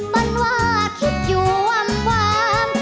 ปันวาดคิดอยู่หว่าง